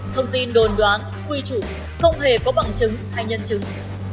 thông tin đồn đoán quy chủ không hề có bằng chứng hay nhân chứng